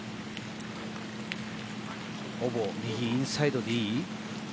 ほぼ右、インサイドでいい？